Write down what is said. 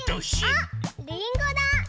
あっりんごだ！